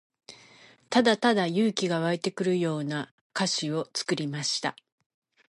ただただ勇気が湧いてくるような歌詞を作りました。